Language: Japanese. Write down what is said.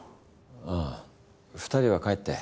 ああ２人は帰って。